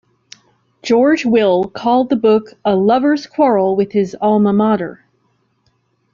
George Will called the book "a lovers' quarrel with his "alma mater".